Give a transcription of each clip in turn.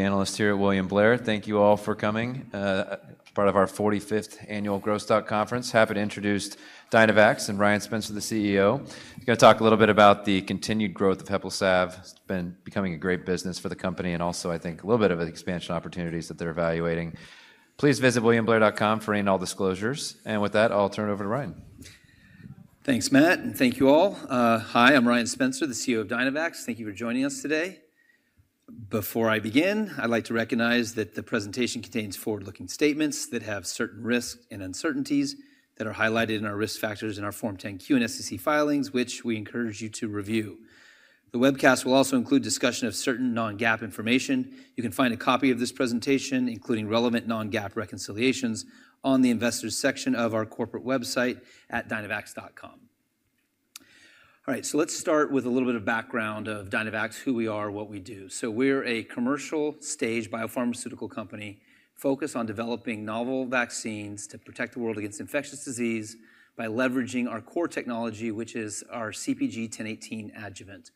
Analyst here at William Blair. Thank you all for coming. Part of our 45th annual Growth Stock Conference, happy to introduce Dynavax and Ryan Spencer, the CEO. He's going to talk a little bit about the continued growth of Heplisav. It's been becoming a great business for the company and also, I think, a little bit of expansion opportunities that they're evaluating. Please visit williamblair.com for any and all disclosures. With that, I'll turn it over to Ryan. Thanks, Matt, and thank you all. Hi, I'm Ryan Spencer, the CEO of Dynavax. Thank you for joining us today. Before I begin, I'd like to recognize that the presentation contains forward-looking statements that have certain risks and uncertainties that are highlighted in our risk factors in our Form 10Q and SEC filings, which we encourage you to review. The webcast will also include discussion of certain non-GAAP information. You can find a copy of this presentation, including relevant non-GAAP reconciliations, on the investors section of our corporate website at dynavax.com. All right, let's start with a little bit of background of Dynavax, who we are, what we do. We're a commercial-stage biopharmaceutical company focused on developing novel vaccines to protect the world against infectious disease by leveraging our core technology, which is our CpG 1018 adjuvant.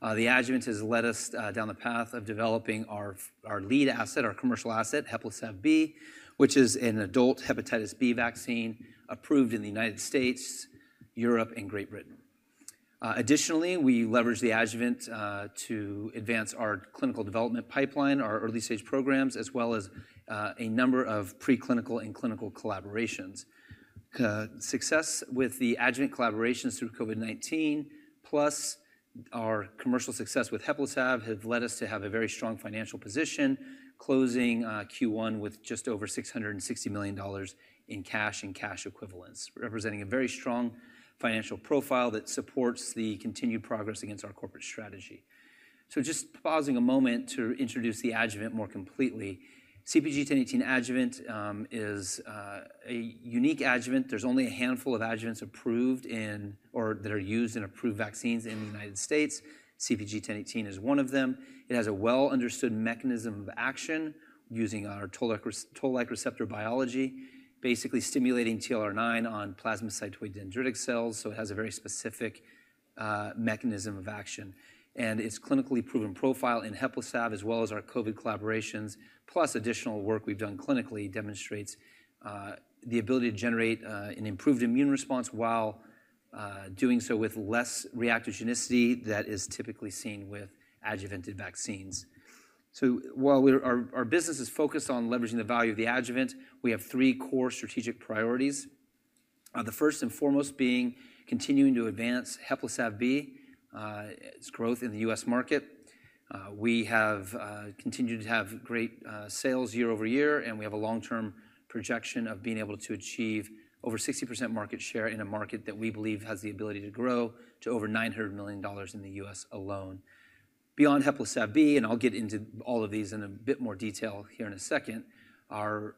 The adjuvant has led us down the path of developing our lead asset, our commercial asset, Heplisav-B, which is an adult hepatitis B vaccine approved in the United States, Europe, and Great Britain. Additionally, we leverage the adjuvant to advance our clinical development pipeline, our early-stage programs, as well as a number of preclinical and clinical collaborations. Success with the adjuvant collaborations through COVID-19, plus our commercial success with Heplisav-B, have led us to have a very strong financial position, closing Q1 with just over $660 million in cash and cash equivalents, representing a very strong financial profile that supports the continued progress against our corporate strategy. Just pausing a moment to introduce the adjuvant more completely. CpG 1018 adjuvant is a unique adjuvant. There is only a handful of adjuvants approved in, or that are used in approved vaccines in the United States. CpG 1018 is one of them. It has a well-understood mechanism of action using our toll-like receptor biology, basically stimulating TLR9 on plasmacytoid dendritic cells. It has a very specific mechanism of action. Its clinically proven profile in Heplisav, as well as our COVID collaborations, plus additional work we've done clinically, demonstrates the ability to generate an improved immune response while doing so with less reactogenicity that is typically seen with adjuvanted vaccines. While our business is focused on leveraging the value of the adjuvant, we have three core strategic priorities. The first and foremost being continuing to advance Heplisav-B, its growth in the US market. We have continued to have great sales year-over-year, and we have a long-term projection of being able to achieve over 60% market share in a market that we believe has the ability to grow to over $900 million in the U.S. alone. Beyond Heplisav-B, and I'll get into all of these in a bit more detail here in a second, our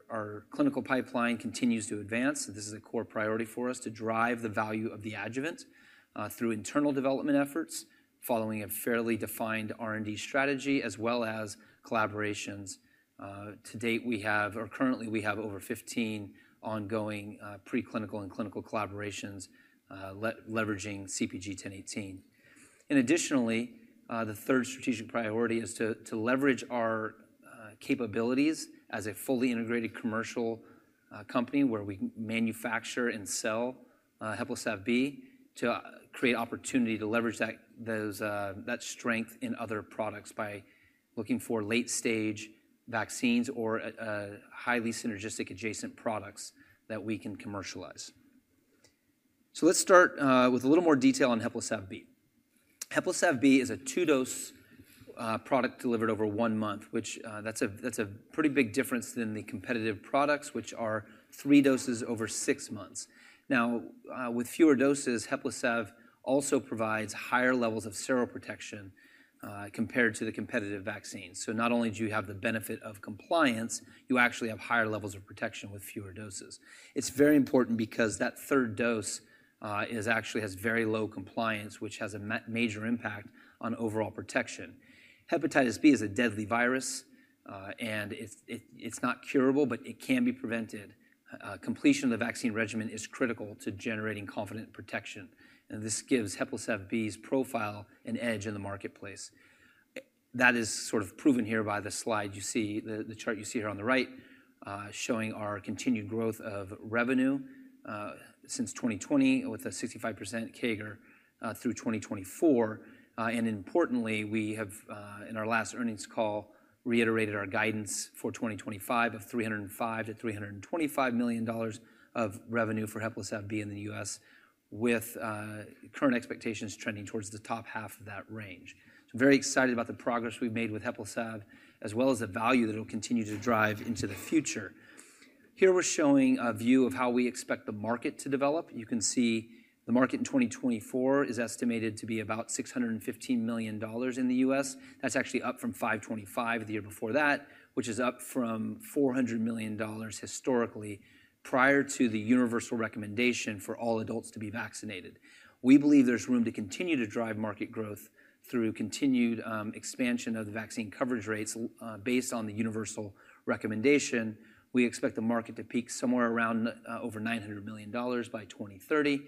clinical pipeline continues to advance. This is a core priority for us to drive the value of the adjuvant through internal development efforts, following a fairly defined R&D strategy, as well as collaborations. To date, we have, or currently we have, over 15 ongoing preclinical and clinical collaborations leveraging CpG 1018. Additionally, the third strategic priority is to leverage our capabilities as a fully integrated commercial company where we manufacture and sell Heplisav-B, to create opportunity to leverage that strength in other products by looking for late-stage vaccines or highly synergistic adjacent products that we can commercialize. Let's start with a little more detail on Heplisav-B. Heplisav-B is a two-dose product delivered over one month, which, that's a pretty big difference than the competitive products, which are three doses over six months. Now, with fewer doses, Heplisav also provides higher levels of seroprotection compared to the competitive vaccines. Not only do you have the benefit of compliance, you actually have higher levels of protection with fewer doses. It's very important because that third dose actually has very low compliance, which has a major impact on overall protection. Hepatitis B is a deadly virus, and it's not curable, but it can be prevented. Completion of the vaccine regimen is critical to generating confident protection. This gives Heplisav-B's profile an edge in the marketplace. That is sort of proven here by the slide you see, the chart you see here on the right, showing our continued growth of revenue since 2020 with a 65% CAGR through 2024. Importantly, we have, in our last earnings call, reiterated our guidance for 2025 of $305-$325 million of revenue for Heplisav-B in the U.S., with current expectations trending towards the top half of that range. I'm very excited about the progress we've made with Heplisav, as well as the value that it'll continue to drive into the future. Here we're showing a view of how we expect the market to develop. You can see the market in 2024 is estimated to be about $615 million in the U.S. That's actually up from $525 million the year before that, which is up from $400 million historically prior to the universal recommendation for all adults to be vaccinated. We believe there's room to continue to drive market growth through continued expansion of the vaccine coverage rates, based on the universal recommendation. We expect the market to peak somewhere around, over $900 million by 2030.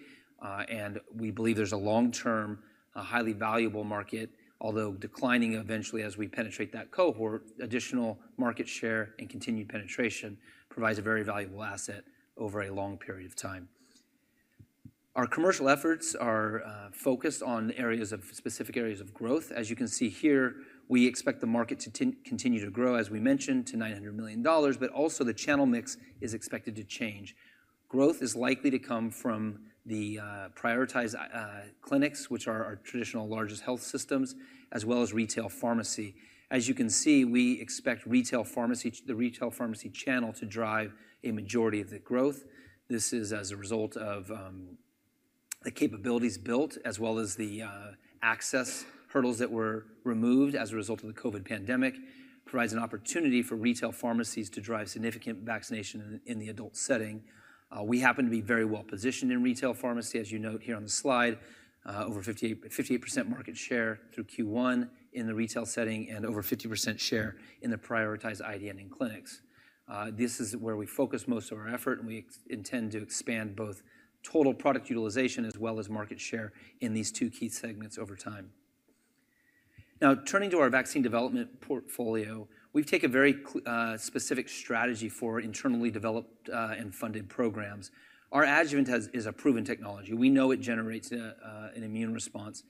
We believe there's a long-term, highly valuable market, although declining eventually as we penetrate that cohort. Additional market share and continued penetration provides a very valuable asset over a long period of time. Our commercial efforts are focused on areas of specific areas of growth. As you can see here, we expect the market to continue to grow, as we mentioned, to $900 million, but also the channel mix is expected to change. Growth is likely to come from the prioritized clinics, which are our traditional largest health systems, as well as retail pharmacy. As you can see, we expect the retail pharmacy channel to drive a majority of the growth. This is as a result of the capabilities built, as well as the access hurdles that were removed as a result of the COVID pandemic, provides an opportunity for retail pharmacies to drive significant vaccination in the adult setting. We happen to be very well positioned in retail pharmacy, as you note here on the slide, over 58% market share through Q1 in the retail setting and over 50% share in the prioritized IDN and clinics. This is where we focus most of our effort, and we intend to expand both total product utilization as well as market share in these two key segments over time. Now, turning to our vaccine development portfolio, we've taken a very clear, specific strategy for internally developed and funded programs. Our adjuvant is a proven technology. We know it generates an immune response,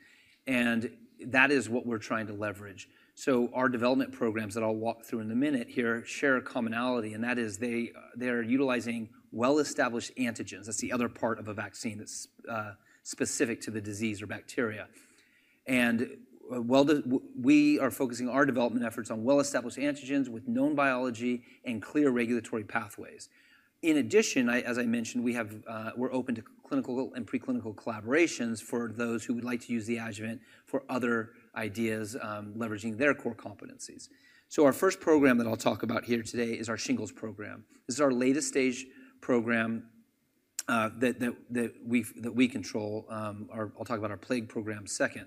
and that is what we're trying to leverage. Our development programs that I'll walk through in a minute here share a commonality, and that is they're utilizing well-established antigens. That's the other part of a vaccine that's specific to the disease or bacteria. We are focusing our development efforts on well-established antigens with known biology and clear regulatory pathways. In addition, as I mentioned, we are open to clinical and preclinical collaborations for those who would like to use the adjuvant for other ideas, leveraging their core competencies. Our first program that I will talk about here today is our Shingles program. This is our latest-stage program that we control. I will talk about our plague program second.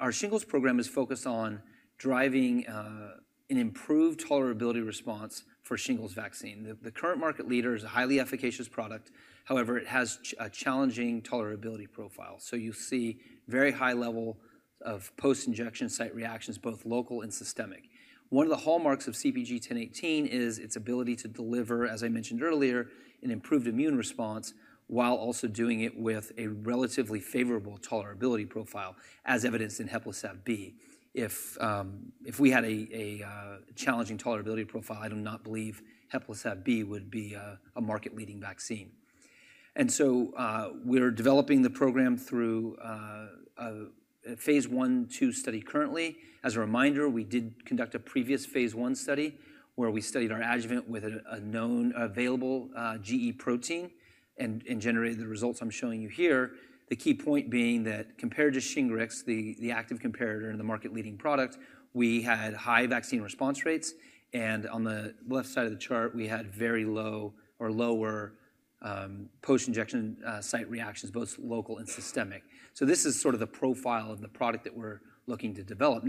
Our Shingles program is focused on driving an improved tolerability response for Shingles vaccine. The current market leader is a highly efficacious product. However, it has a challenging tolerability profile. You see very high level of post-injection site reactions, both local and systemic. One of the hallmarks of CpG 1018 is its ability to deliver, as I mentioned earlier, an improved immune response while also doing it with a relatively favorable tolerability profile, as evidenced in Heplisav-B. If we had a challenging tolerability profile, I do not believe Heplisav-B would be a market-leading vaccine. We are developing the program through a phase one two study currently. As a reminder, we did conduct a previous phase one study where we studied our adjuvant with a known, available, GE protein and generated the results I am showing you here. The key point being that compared to Shingrix, the active comparator and the market-leading product, we had high vaccine response rates. On the left side of the chart, we had very low or lower post-injection site reactions, both local and systemic. This is sort of the profile of the product that we are looking to develop.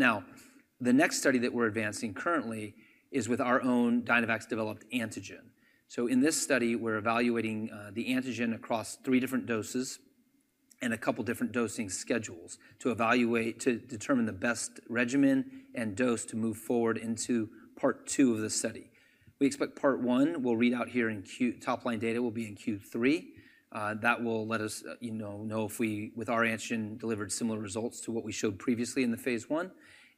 The next study that we are advancing currently is with our own Dynavax-developed antigen. In this study, we're evaluating the antigen across three different doses and a couple different dosing schedules to evaluate, to determine the best regimen and dose to move forward into part two of the study. We expect part one will read out here in Q3. That will let us, you know, know if we, with our antigen, delivered similar results to what we showed previously in the phase one.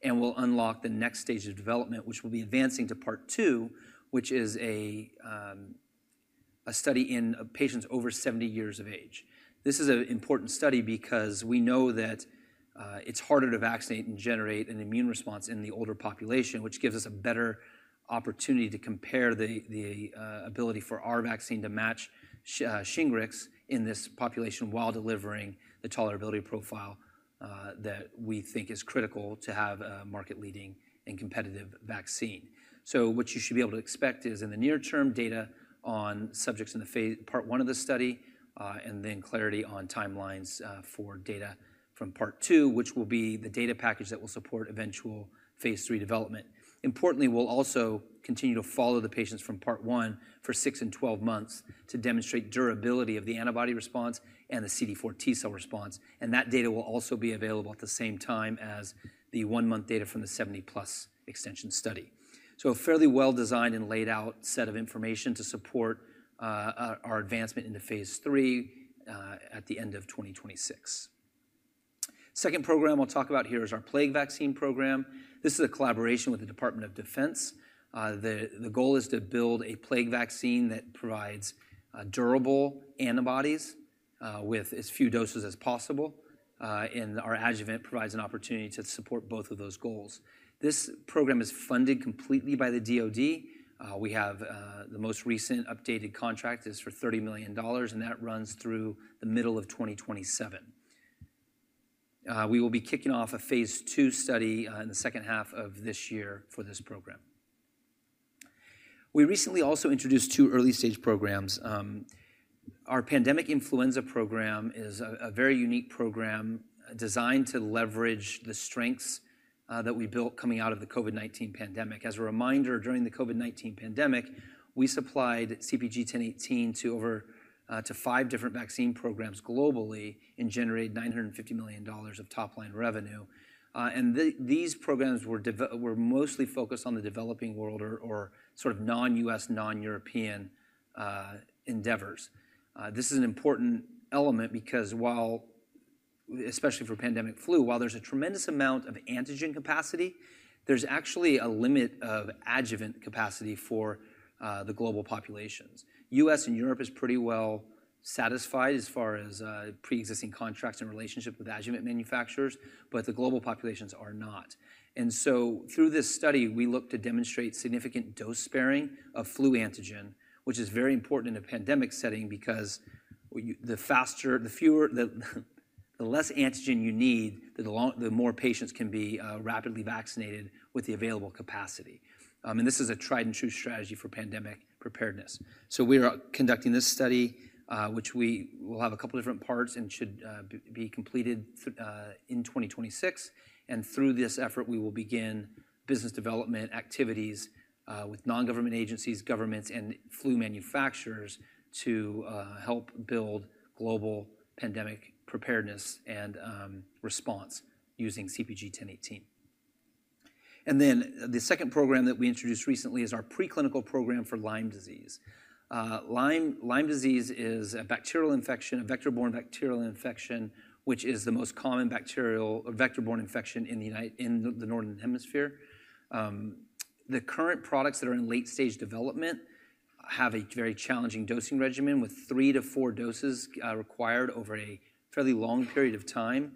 And we'll unlock the next stage of development, which will be advancing to part two, which is a study in patients over 70 years of age. This is an important study because we know that it's harder to vaccinate and generate an immune response in the older population, which gives us a better opportunity to compare the ability for our vaccine to match Shingrix in this population while delivering the tolerability profile that we think is critical to have a market-leading and competitive vaccine. What you should be able to expect is in the near-term data on subjects in the phase part one of the study, and then clarity on timelines for data from part two, which will be the data package that will support eventual phase three development. Importantly, we'll also continue to follow the patients from part one for six and 12 months to demonstrate durability of the antibody response and the CD4 T-cell response. That data will also be available at the same time as the one-month data from the 70-plus extension study. A fairly well-designed and laid out set of information to support our advancement into phase three at the end of 2026. Second program I'll talk about here is our plague vaccine program. This is a collaboration with the Department of Defense. The goal is to build a plague vaccine that provides durable antibodies with as few doses as possible, and our adjuvant provides an opportunity to support both of those goals. This program is funded completely by the Department of Defense. We have the most recent updated contract is for $30 million, and that runs through the middle of 2027. We will be kicking off a phase two study in the second half of this year for this program. We recently also introduced two early-stage programs. Our pandemic influenza program is a very unique program designed to leverage the strengths that we built coming out of the COVID-19 pandemic. As a reminder, during the COVID-19 pandemic, we supplied CpG 1018 to five different vaccine programs globally and generated $950 million of top-line revenue. These programs were mostly focused on the developing world or sort of non-U.S., non-European endeavors. This is an important element because, especially for pandemic flu, while there is a tremendous amount of antigen capacity, there is actually a limit of adjuvant capacity for the global populations. U.S. and Europe are pretty well satisfied as far as pre-existing contracts and relationships with adjuvant manufacturers, but the global populations are not. Through this study, we look to demonstrate significant dose sparing of flu antigen, which is very important in a pandemic setting because the fewer, the less antigen you need, the more patients can be rapidly vaccinated with the available capacity. This is a tried-and-true strategy for pandemic preparedness. We are conducting this study, which will have a couple different parts and should be completed in 2026. Through this effort, we will begin business development activities with non-government agencies, governments, and flu manufacturers to help build global pandemic preparedness and response using CpG 1018. The second program that we introduced recently is our preclinical program for Lyme disease. Lyme disease is a bacterial infection, a vector-borne bacterial infection, which is the most common bacterial or vector-borne infection in the United States, in the northern hemisphere. The current products that are in late-stage development have a very challenging dosing regimen with three to four doses, required over a fairly long period of time,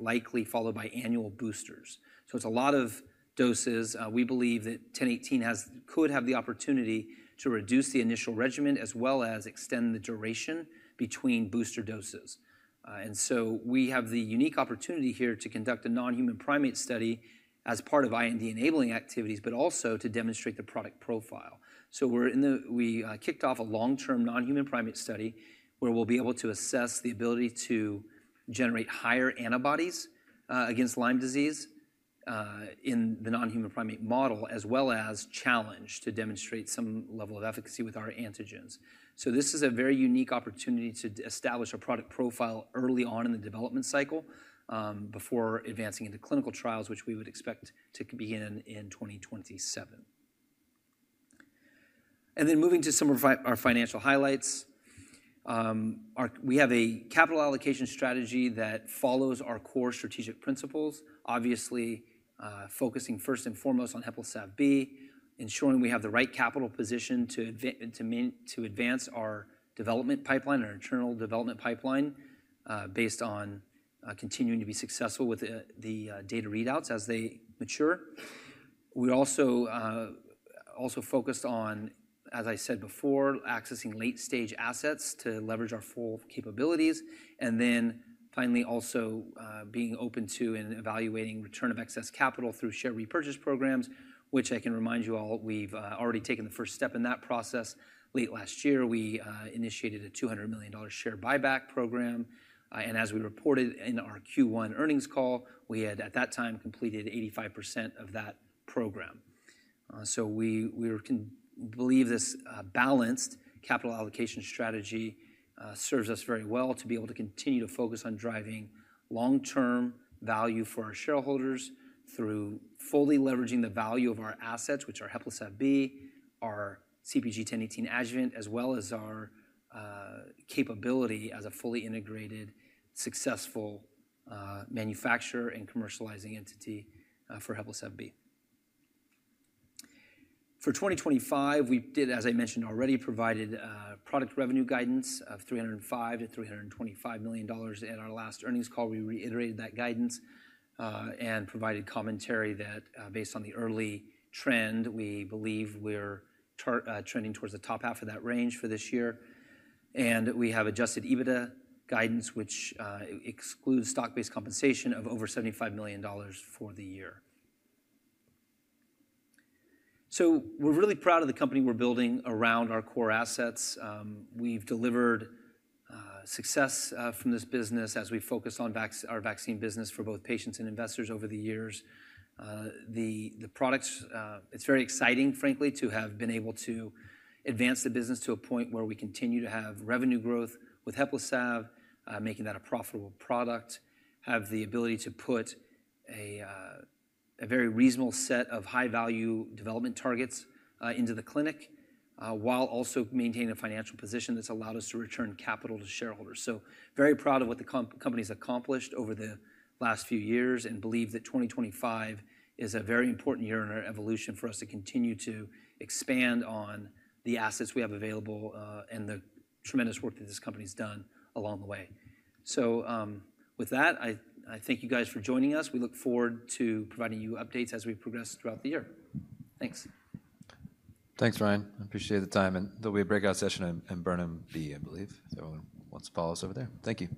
likely followed by annual boosters. So it's a lot of doses. We believe that 1018 has, could have the opportunity to reduce the initial regimen as well as extend the duration between booster doses. And so we have the unique opportunity here to conduct a non-human primate study as part of IND enabling activities, but also to demonstrate the product profile. We're in the, we kicked off a long-term non-human primate study where we'll be able to assess the ability to generate higher antibodies against Lyme disease in the non-human primate model, as well as challenge to demonstrate some level of efficacy with our antigens. This is a very unique opportunity to establish a product profile early on in the development cycle, before advancing into clinical trials, which we would expect to begin in 2027. Moving to some of our financial highlights, we have a capital allocation strategy that follows our core strategic principles, obviously, focusing first and foremost on Heplisav-B, ensuring we have the right capital position to advance, to advance our development pipeline, our internal development pipeline, based on continuing to be successful with the data readouts as they mature. We also focused on, as I said before, accessing late-stage assets to leverage our full capabilities. Finally, also being open to and evaluating return of excess capital through share repurchase programs, which I can remind you all, we've already taken the first step in that process. Late last year, we initiated a $200 million share buyback program. As we reported in our Q1 earnings call, we had at that time completed 85% of that program. We believe this balanced capital allocation strategy serves us very well to be able to continue to focus on driving long-term value for our shareholders through fully leveraging the value of our assets, which are Heplisav-B, our CpG 1018 adjuvant, as well as our capability as a fully integrated, successful manufacturer and commercializing entity for Heplisav-B. For 2025, we did, as I mentioned already, provide product revenue guidance of $305 million-$325 million. At our last earnings call, we reiterated that guidance and provided commentary that, based on the early trend, we believe we're trending towards the top half of that range for this year. We have adjusted EBITDA guidance, which excludes stock-based compensation of over $75 million for the year. We are really proud of the company we are building around our core assets. We have delivered success from this business as we focus on our vaccine business for both patients and investors over the years. The products, it is very exciting, frankly, to have been able to advance the business to a point where we continue to have revenue growth with Heplisav, making that a profitable product, have the ability to put a very reasonable set of high-value development targets into the clinic, while also maintaining a financial position that has allowed us to return capital to shareholders. Very proud of what the company's accomplished over the last few years and believe that 2025 is a very important year in our evolution for us to continue to expand on the assets we have available, and the tremendous work that this company's done along the way. With that, I thank you guys for joining us. We look forward to providing you updates as we progress throughout the year. Thanks. Thanks, Ryan. I appreciate the time. There'll be a breakout session in Burnham B, I believe, if everyone wants to follow us over there. Thank you.